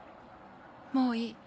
もういい。